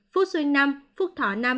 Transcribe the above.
phúc xuân năm phúc thọ năm